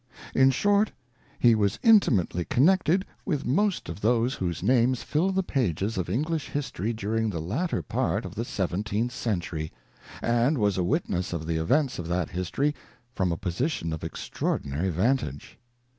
In short, he was intimately connected with most of those whose xii INTRODUCTION. whose names fill the pages of English History during the latter half of the Seventeenth Century, and was a witness of the events of that history from a position of extra ordinary vantage.